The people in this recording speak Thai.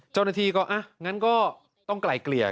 เจ้าหน้าที่ก็งั้นก็ต้องไกลเกลี่ย